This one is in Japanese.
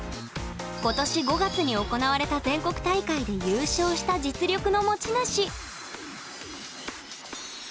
今年５月に行われた全国大会で優勝した実力の持ち主。